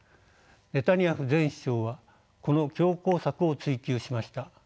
ネタニヤフ前首相はこの強硬策を追求しました。